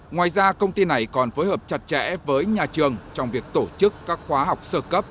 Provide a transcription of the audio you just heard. ngoài ra công ty này còn phối hợp chặt chẽ với nhà trường trong việc tổ chức các khóa học sơ cấp